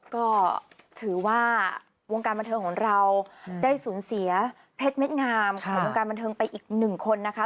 ก็ถือว่าวงการบันเทิงของเราได้สูญเสียเพชรเม็ดงามของวงการบันเทิงไปอีกหนึ่งคนนะคะ